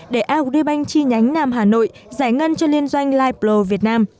để agribank chi nhánh nam hà nội giải ngân cho liên doanh laiplo việt nam